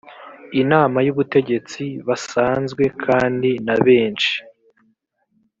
inama y ubutegetsi basanzwe kandi n abenshi